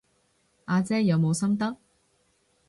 阿姐有冇心得？